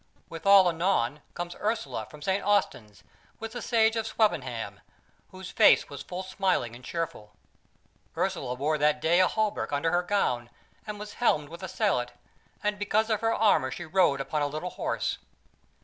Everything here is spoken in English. Withal anon comes Ursula from St. Austin's with the Sage of Swevenham, whose face was full smiling and cheerful. Ursula wore that day a hauberk under her gown, and was helmed with a sallet; and because of her armour she rode upon a little horse.